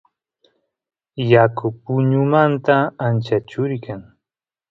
yaku puñumanta ancha churi kan